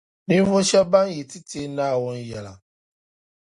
Ninvuɣu shɛba ban yi ti teei Naawuni yɛla